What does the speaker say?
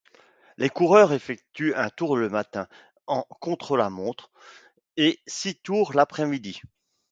Les coureurs effectuent un tour le matin en contre-la-montre et six tours l'après-midi.